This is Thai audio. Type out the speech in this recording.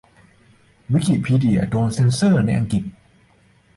วิกิพีเดียโดนเซนเซอร์ในอังกฤษ